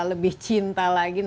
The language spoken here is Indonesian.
lebih cinta lagi